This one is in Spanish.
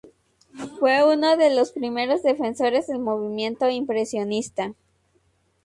Fue uno de los primeros defensores del movimiento impresionista.